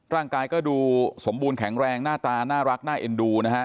ร่างกายก็ดูสมบูรณแข็งแรงหน้าตาน่ารักน่าเอ็นดูนะฮะ